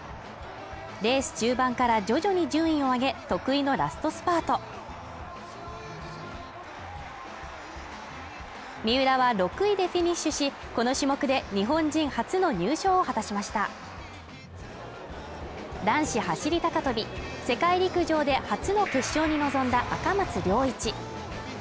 レース中盤から徐々に順位を上げ得意のラストスパート三浦は６位でフィニッシュしこの種目で日本人初の入賞を果たしました男子走り高跳び世界陸上で初の決勝に臨んだ赤松諒一